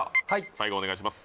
最後お願いします